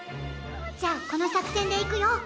じゃあこのさくせんでいくよ！